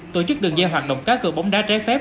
tổ chức đường dây hoạt động cá cơ bóng đá trái phép